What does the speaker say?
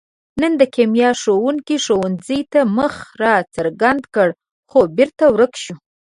نن د کیمیا ښوونګي ښوونځي ته مخ را څرګند کړ، خو بېرته ورک شو.